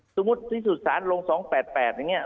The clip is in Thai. สมมุติที่สุดสารลง๒๘๘อย่างนี้